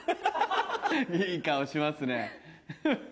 いい顔しますね。